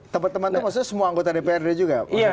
teman teman itu maksudnya semua anggota dprd juga